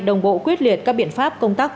đồng bộ quyết liệt các biện pháp công tác